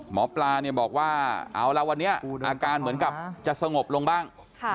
หมอปลาเนี่ยบอกว่าเอาละวันนี้อาการเหมือนกับจะสงบลงบ้าง